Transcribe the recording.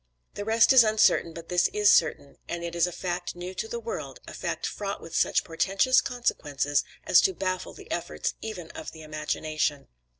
The rest is uncertain, but this is certain; and it is a fact new to the world, a fact fraught with such portentous consequences as to baffle the efforts even of the imagination."